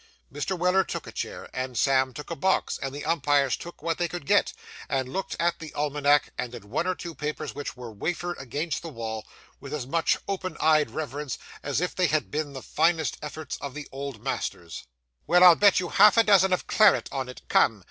Mr. Weller took a chair, and Sam took a box, and the umpires took what they could get, and looked at the almanac and one or two papers which were wafered against the wall, with as much open eyed reverence as if they had been the finest efforts of the old masters. 'Well, I'll bet you half a dozen of claret on it; come!